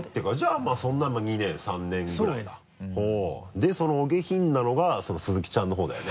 でそのお下品なのがその鈴木ちゃんの方だよね？